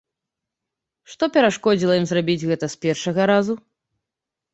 Што перашкодзіла ім зрабіць гэта з першага разу?